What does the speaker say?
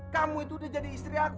kamu itu udah jadi istri aku